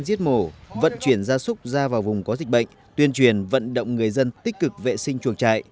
giết mổ vận chuyển gia súc ra vào vùng có dịch bệnh tuyên truyền vận động người dân tích cực vệ sinh chuồng trại